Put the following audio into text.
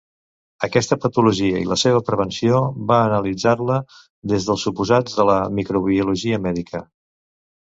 Aquesta patologia i la seva prevenció va analitzar-la des dels suposats de la microbiologia mèdica.